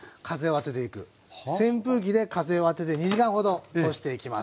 扇風機で風を当てて２時間ほど干していきます。